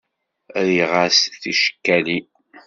Rriɣ-as ticekkalin.